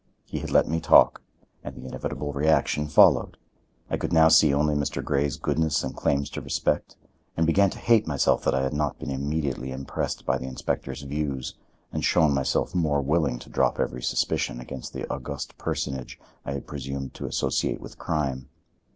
He had let me talk, and the inevitable reaction followed. I could now see only Mr. Grey's goodness and claims to respect, and began to hate myself that I had not been immediately impressed by the inspector's views, and shown myself more willing to drop every suspicion against the august personage I had presumed to associate with crime.